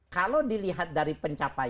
kalau dilihat dari pencapaiannya